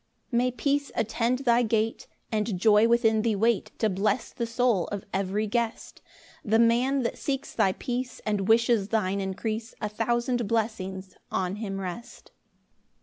4 May peace attend thy gate, And joy within thee wait To bless the soul of every guest! The man that seeks thy peace, And wishes thine increase, A thousand blessings on him rest!